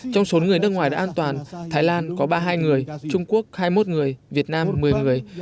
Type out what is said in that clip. trong số người nước ngoài đã an toàn thái lan có ba mươi hai người trung quốc hai mươi một người việt nam một mươi người